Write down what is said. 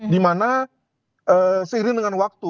dimana seiring dengan waktu